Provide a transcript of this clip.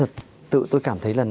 hãy cho tôi im lặng